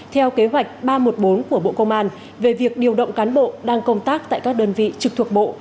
theo kế hoạch ba trăm một mươi bốn của bộ công an về việc điều động cán bộ đang công tác tại các đơn vị trực thuộc bộ